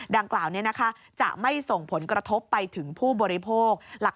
ดังกล่าวนี้นะคะจะไม่ส่งผลกระทบไปถึงผู้บริโภค